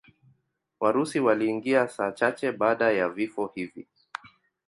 Warusi waliingia saa chache baada ya vifo hivi.